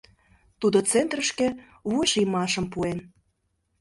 Тудо центрышке вуйшиймашым пуэн.